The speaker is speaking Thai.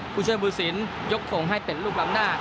ผู้ช่วยผู้สินยกทรงให้เป็นลูกลำหน้า